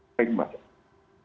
ya baik mbak